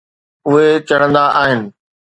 اهي چڙهندا آهن.